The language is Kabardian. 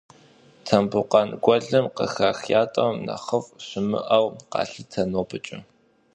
Тамбукъан гуэлым къыхах ятӏэм нэхъыфӏ щымыӏэу къалъытэ нобэкӏэ.